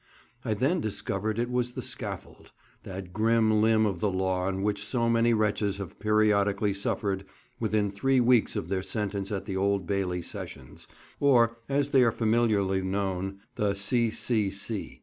I then discovered it was the scaffold, that grim limb of the law on which so many wretches have periodically suffered within three weeks of their sentence at the Old Bailey Sessions, or, as they are familiarly known, "The C. C. C."